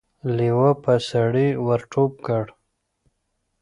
لېوه په سړي ور ټوپ کړ.